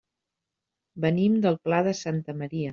Venim del Pla de Santa Maria.